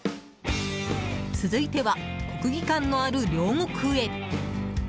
続いては、国技館のある両国へ。